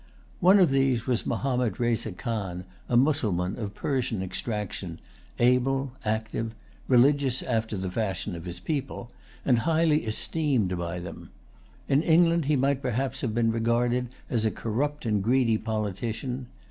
One of these was Mahommed Reza Khan, a Mussulman of Persian extraction, able, active, religious after the fashion of his people, and highly esteemed by them. In England he might perhaps have been regarded as a corrupt and greedy politician.